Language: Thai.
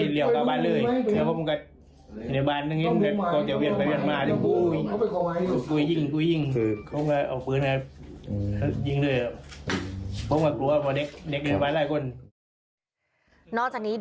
เรื่อง